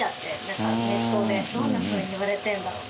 「どんな風に言われてるんだろう？」